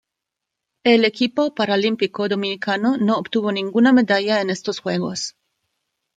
El equipo paralímpico dominicano no obtuvo ninguna medalla en estos Juegos.